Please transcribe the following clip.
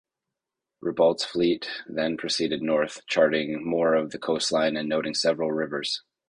Ribault's fleet then proceeded north, charting more of the coastline and noting several rivers.